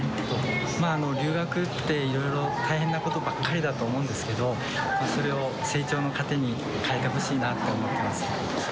留学っていろいろ、大変なことばっかりだと思うんですけど、それを成長の糧に変えてほしいなと思ってます。